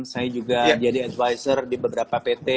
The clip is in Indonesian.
saya juga jadi advisor di beberapa pt